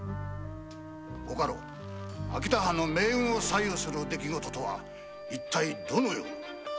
ご家老秋田藩の命運を左右する出来事とは一体どのような？